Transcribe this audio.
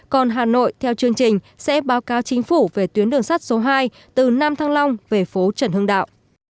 còn hà nội theo chương trình sẽ báo cáo chính phủ về tuyến đường sắt số hai từ nam thăng long về phố trần hưng đạo